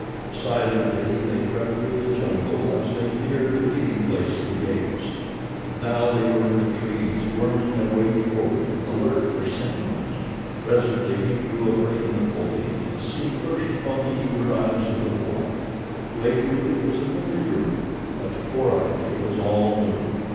Silently they crept through the jungle as they neared the meeting place of the apes. Now they were in the trees, worming their way forward, alert for sentinels. Presently through a break in the foliage the scene burst upon the eager eyes of the boy. To Akut it was a familiar one; but to Korak it was all new.